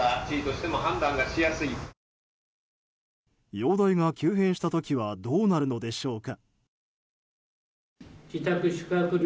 容体が急変した時はどうなるのでしょうか。